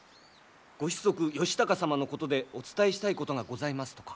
ご子息義高様のことでお伝えしたいことがございますとか。